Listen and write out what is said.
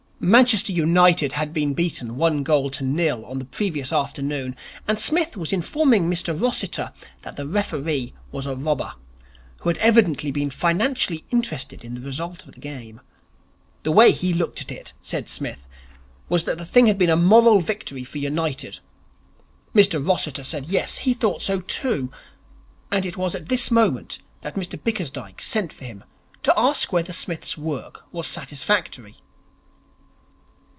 Manchester United had been beaten by one goal to nil on the previous afternoon, and Psmith was informing Mr Rossiter that the referee was a robber, who had evidently been financially interested in the result of the game. The way he himself looked at it, said Psmith, was that the thing had been a moral victory for the United. Mr Rossiter said yes, he thought so too. And it was at this moment that Mr Bickersdyke sent for him to ask whether Psmith's work was satisfactory.